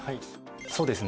そうですね。